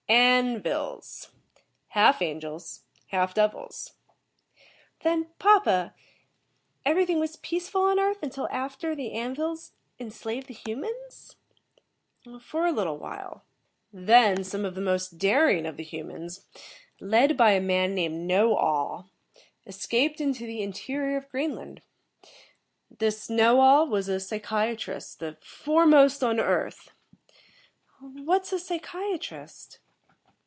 "'An vils'. Half angels, half devils." "Then, papa, everything was peaceful on Earth after the An vils enslaved the humans?" "For a little while. Then, some of the most daring of the humans, led by a man named Knowall, escaped into the interior of Greenland. This Knowall was a psychiatrist, the foremost on Earth." "What's a psychiatrist?"